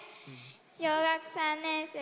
小学３年生です。